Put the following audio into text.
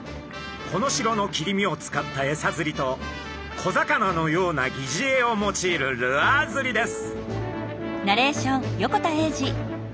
コノシロの切り身を使ったえさ釣りと小魚のようなぎじえを用いるルアー釣りです！